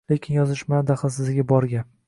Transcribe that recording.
Lekin yozishmalar daxlsizligi bor gap